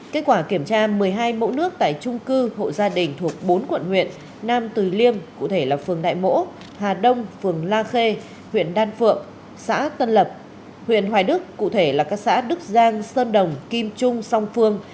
kết quả kiểm tra một mươi hai mẫu nước tại trung cư hộ gia đình thuộc bốn quận huyện nam từ liêm cụ thể là phường đại mỗ hà đông phường la khê huyện đan phượng xã tân lập huyện hoài đức cụ thể là các xã đức giang sơn đồng kim trung song phương